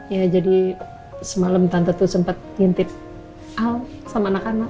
ya jadi semalam tante tuh sempat ngintip al sama anak anak